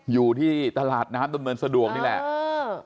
อยู่ที่ตลาดน้ำดำเนินสะดวกนี่แหละ